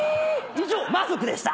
以上魔族でした。